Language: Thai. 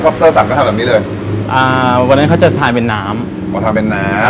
ปเตอร์สั่งก็ทำแบบนี้เลยอ่าวันนั้นเขาจะทายเป็นน้ำมาทำเป็นน้ำ